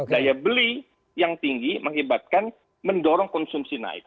daya beli yang tinggi mengibatkan mendorong konsumsi naik